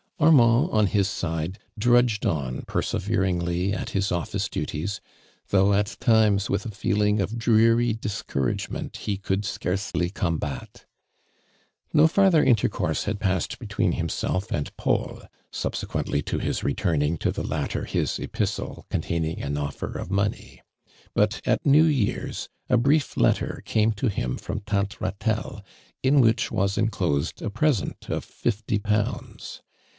Armand on his side drudged on persever ingly at his office duties, though at times with a feeling of dreary discouragement ho could scarcely combat. No farther inter course had passed between himself and Paul, subsequently to his returning to the latter his epistle containing an oft'er of mo ney, but at New Year's, a brief letter came to him from tanfe Ratelle in which was en closed a present of fifty pounds.